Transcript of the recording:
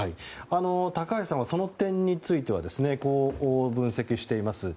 高橋さんはその点についてはこう分析しています。